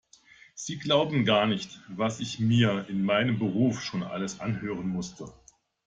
Sie glauben gar nicht, was ich mir in meinem Beruf schon alles anhören musste.